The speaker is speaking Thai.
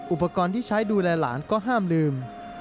อุปกรณ์ที่ใช้ดูแลหลานก็ห้ามลืม